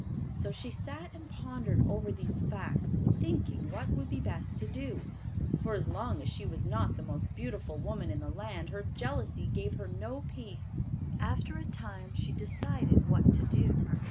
So she sat and pondered over these facts, thinking what would be best to do, for as long as she was not the most beautiful woman in the land, her jealousy gave her no peace. After a time, she decided what to do.